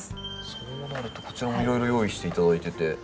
そうなるとこちらもいろいろ用意して頂いてて。